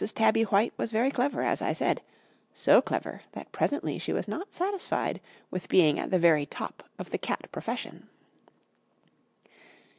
Tabby White was very clever, as I said so clever that presently she was not satisfied with being at the very top of the cat profession.